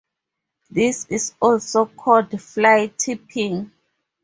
This is also called fly tipping.